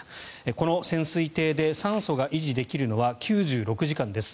この潜水艇で酸素が維持できるのは９６時間です。